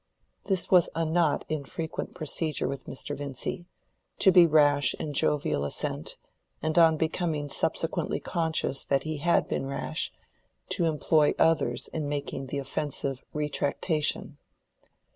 This was a not infrequent procedure with Mr. Vincy—to be rash in jovial assent, and on becoming subsequently conscious that he had been rash, to employ others in making the offensive retractation.